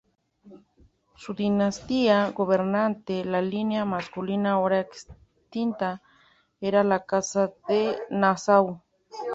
Su dinastía gobernante, la línea masculina ahora extinta, era la Casa de Nassau.